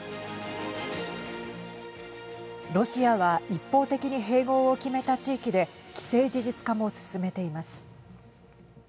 ロシアは一方的に併合を決めた地域で既成事実化も進めています。